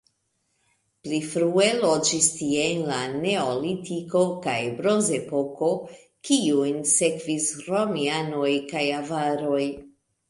Pli frue loĝis tie en la neolitiko kaj bronzepoko, kiujn sekvis romianoj kaj avaroj.